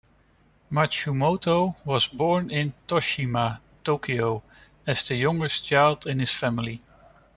Matsumoto was born in Toshima, Tokyo, as the youngest child in his family.